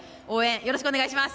よろしくお願いします！